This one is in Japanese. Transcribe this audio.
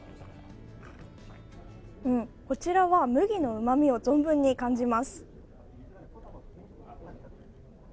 こちらは麦のうまみを存分に感じます。